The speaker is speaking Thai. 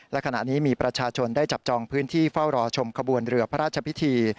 และขณะนี้มีประชาชนได้จับจองพื้นที่เฝ้ารอชมขบวนเรือพระราชพิธี